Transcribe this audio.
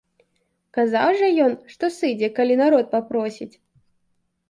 Казаў жа ён, што сыдзе, калі народ папросіць?